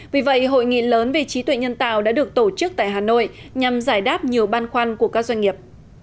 vì vậy hội nghị lớn về trí tuệ nhân tạo đã được tổ chức tại hà nội nhằm giải đáp nhiều băn khoăn của các doanh nghiệp